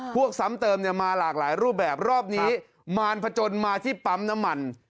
ซ้ำเติมเนี่ยมาหลากหลายรูปแบบรอบนี้มารพจนมาที่ปั๊มน้ำมัน